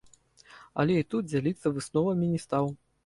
Але і тут дзяліцца высновамі не стаў.